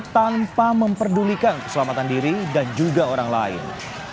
tanpa memperdulikan keselamatan diri dan juga orang lain